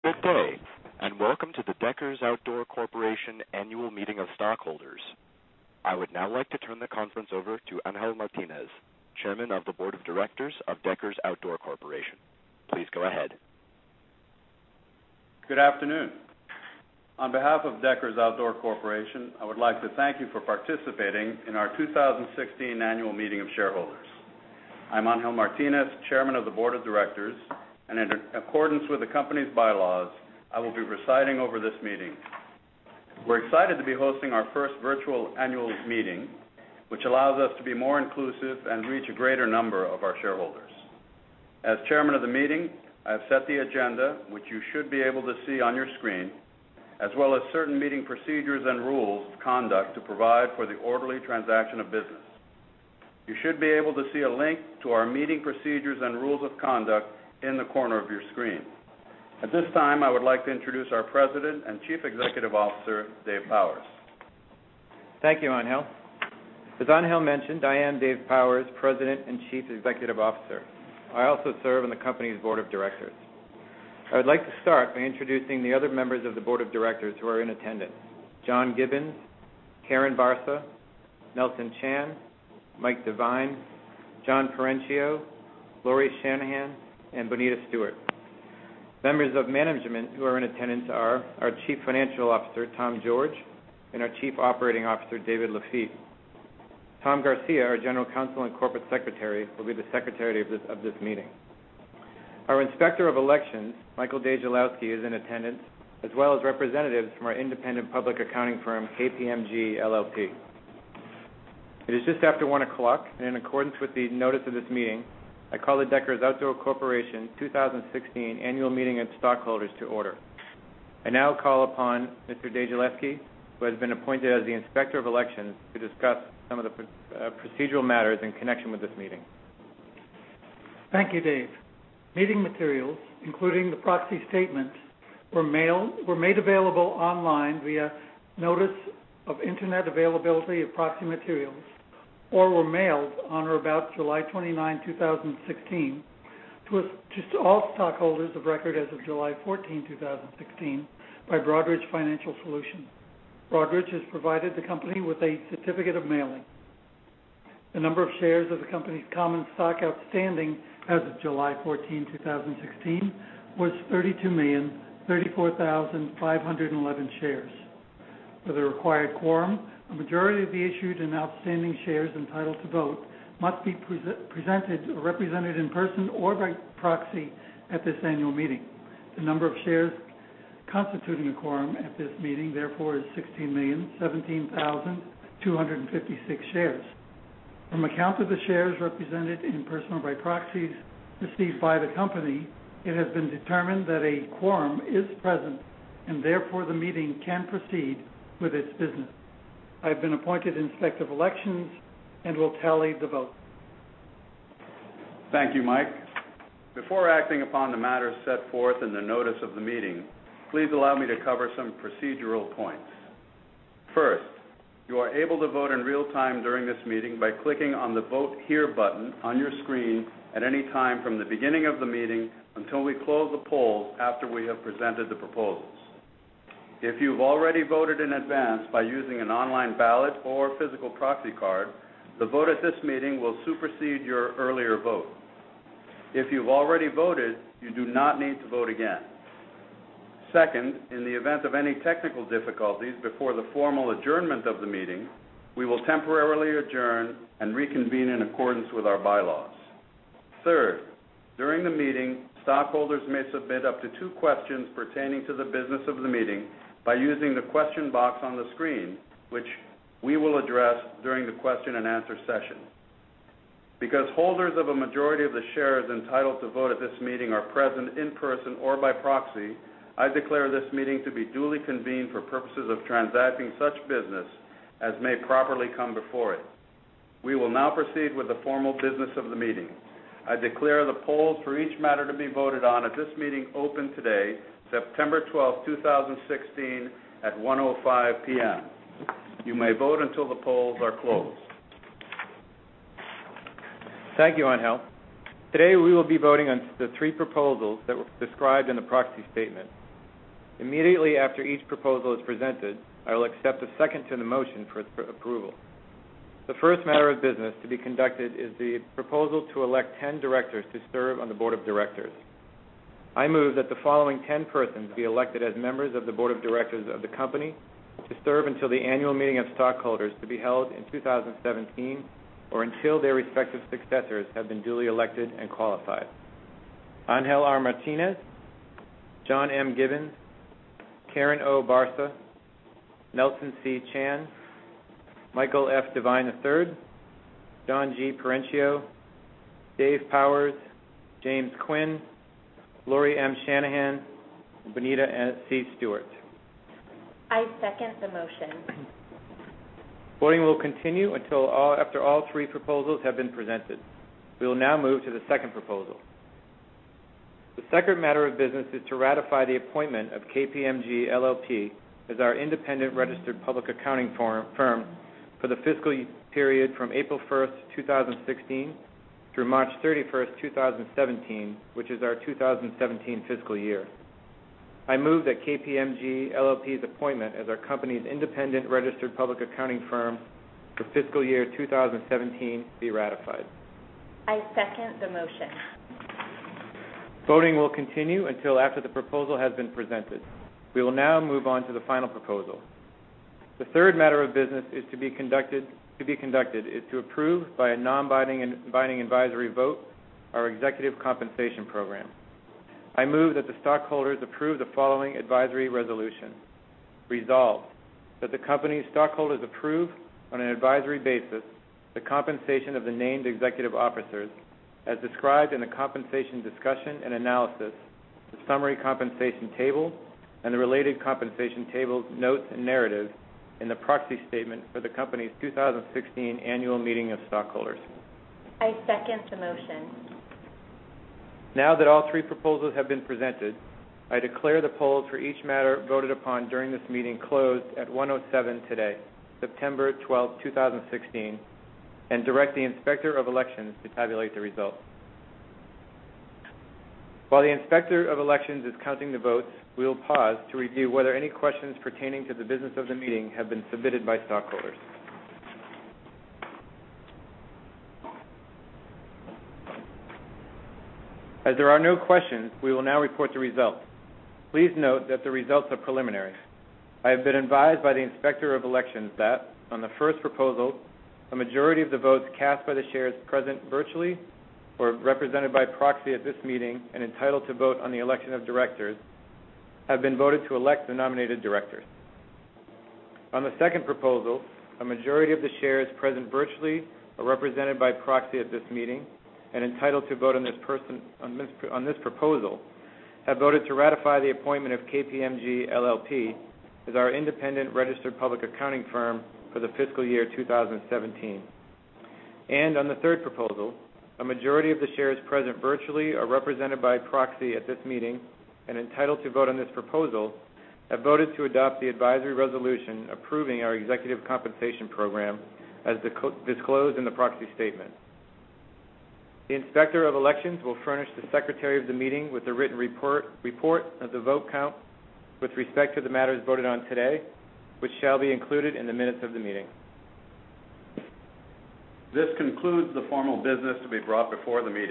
Good day, and welcome to the Deckers Outdoor Corporation Annual Meeting of Stockholders. I would now like to turn the conference over to Angel Martinez, Chairman of the Board of Directors of Deckers Outdoor Corporation. Please go ahead. Good afternoon. On behalf of Deckers Outdoor Corporation, I would like to thank you for participating in our 2016 Annual Meeting of Shareholders. I'm Angel Martinez, Chairman of the Board of Directors, in accordance with the company's bylaws, I will be presiding over this meeting. We're excited to be hosting our first virtual annual meeting, which allows us to be more inclusive and reach a greater number of our shareholders. As Chairman of the Meeting, I have set the agenda, which you should be able to see on your screen, as well as certain meeting procedures and rules of conduct to provide for the orderly transaction of business. You should be able to see a link to our meeting procedures and rules of conduct in the corner of your screen. At this time, I would like to introduce our President and Chief Executive Officer, Dave Powers. Thank you, Angel. As Angel mentioned, I am Dave Powers, President and Chief Executive Officer. I also serve on the company's Board of Directors. I would like to start by introducing the other members of the Board of Directors who are in attendance. John Gibbons, Karyn Barsa, Nelson Chan, Mike Devine, John Perenchio, Lauri Shanahan, and Bonita Stewart. Members of management who are in attendance are our Chief Financial Officer, Tom George, and our Chief Operating Officer, David Lafitte. Tom Garcia, our General Counsel and Corporate Secretary, will be the Secretary of this meeting. Our Inspector of Elections, Michael DeJeleski, is in attendance, as well as representatives from our independent public accounting firm, KPMG LLP. It is just after 1 o'clock, in accordance with the notice of this meeting, I call the Deckers Outdoor Corporation 2016 Annual Meeting of Stockholders to order. I now call upon Mr. DeJeleski, who has been appointed as the Inspector of Elections, to discuss some of the procedural matters in connection with this meeting. Thank you, Dave. Meeting materials, including the proxy statement, were made available online via notice of internet availability of proxy materials or were mailed on or about July 29, 2016 to all stockholders of record as of July 14, 2016 by Broadridge Financial Solutions. Broadridge has provided the company with a certificate of mailing. The number of shares of the company's common stock outstanding as of July 14, 2016 was 32,034,511 shares. For the required quorum, a majority of the issued and outstanding shares entitled to vote must be presented or represented in person or by proxy at this annual meeting. The number of shares constituting a quorum at this meeting, therefore, is 16,017,256 shares. From a count of the shares represented in person or by proxies received by the company, it has been determined that a quorum is present and therefore the meeting can proceed with its business. I have been appointed Inspector of Elections and will tally the votes. Thank you, Mike. Before acting upon the matters set forth in the notice of the meeting, please allow me to cover some procedural points. First, you are able to vote in real time during this meeting by clicking on the Vote Here button on your screen at any time from the beginning of the meeting until we close the polls after we have presented the proposals. If you've already voted in advance by using an online ballot or physical proxy card, the vote at this meeting will supersede your earlier vote. If you've already voted, you do not need to vote again. Second, in the event of any technical difficulties before the formal adjournment of the meeting, we will temporarily adjourn and reconvene in accordance with our bylaws. Third, during the meeting, stockholders may submit up to two questions pertaining to the business of the meeting by using the question box on the screen, which we will address during the question and answer session. Because holders of a majority of the shares entitled to vote at this meeting are present in person or by proxy, I declare this meeting to be duly convened for purposes of transacting such business as may properly come before it. We will now proceed with the formal business of the meeting. I declare the polls for each matter to be voted on at this meeting open today, September 12th, 2016, at 1:05 P.M. You may vote until the polls are closed. Thank you, Angel. Today, we will be voting on the three proposals that were described in the proxy statement. Immediately after each proposal is presented, I will accept a second to the motion for approval. The first matter of business to be conducted is the proposal to elect 10 directors to serve on the board of directors. I move that the following 10 persons be elected as members of the board of directors of the company to serve until the annual meeting of stockholders to be held in 2017, or until their respective successors have been duly elected and qualified. Angel R. Martinez, John M. Gibbons, Karyn O. Barsa, Nelson C. Chan, Michael F. Devine III, John G. Perenchio, Dave Powers, James Quinn, Lauri M. Shanahan, Bonita C. Stewart. I second the motion. Voting will continue after all three proposals have been presented. We will now move to the second proposal. The second matter of business is to ratify the appointment of KPMG LLP as our independent registered public accounting firm for the fiscal period from April 1st, 2016 Through March 31st, 2017, which is our 2017 fiscal year. I move that KPMG LLP's appointment as our company's independent registered public accounting firm for fiscal year 2017 be ratified. I second the motion. Voting will continue until after the proposal has been presented. We will now move on to the final proposal. The third matter of business to be conducted is to approve, by a non-binding advisory vote, our executive compensation program. I move that the stockholders approve the following advisory resolution. Resolved, that the company's stockholders approve, on an advisory basis, the compensation of the named executive officers as described in the compensation discussion and analysis, the summary compensation table, and the related compensation table notes and narratives in the proxy statement for the company's 2016 annual meeting of stockholders. I second the motion. Now that all three proposals have been presented, I declare the polls for each matter voted upon during this meeting closed at 1:07 today, September 12th, 2016, and direct the Inspector of Elections to tabulate the results. While the Inspector of Elections is counting the votes, we will pause to review whether any questions pertaining to the business of the meeting have been submitted by stockholders. As there are no questions, we will now report the results. Please note that the results are preliminary. I have been advised by the Inspector of Elections that on the first proposal, a majority of the votes cast by the shares present virtually or represented by proxy at this meeting and entitled to vote on the election of directors have been voted to elect the nominated directors. On the second proposal, a majority of the shares present virtually are represented by proxy at this meeting and entitled to vote on this proposal have voted to ratify the appointment of KPMG LLP as our independent registered public accounting firm for the fiscal year 2017. On the third proposal, a majority of the shares present virtually are represented by proxy at this meeting and entitled to vote on this proposal have voted to adopt the advisory resolution approving our executive compensation program as disclosed in the proxy statement. The Inspector of Elections will furnish the secretary of the meeting with a written report of the vote count with respect to the matters voted on today, which shall be included in the minutes of the meeting. This concludes the formal business to be brought before the meeting.